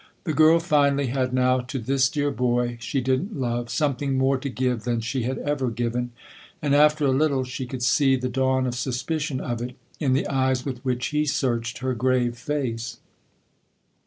The girl, finally, had now, to this dear boy she didn't love, something more to give than she had ever given ; and after a little she could see the dawn of suspicion of it in the eyes with which he searched her grave face.